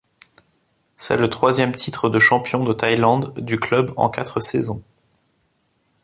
C'est le troisième titre de champion de Thaïlande du club en quatre saisons.